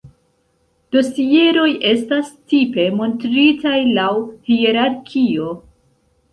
Dosieroj estas tipe montritaj laŭ hierarkio.